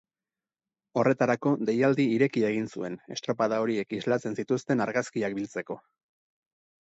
Horretarako, deialdi irekia egin zuen estropada horiek islatzen zituzten argazkiak biltzeko.